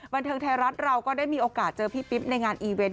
บันเทิงไทยรัฐเราก็ได้มีโอกาสเจอพี่ปิ๊บในงานอีเวนต์